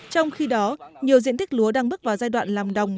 trong khi đó nhiều diện tích lúa đang bước vào giai đoạn làm đồng